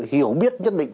hiểu biết nhất định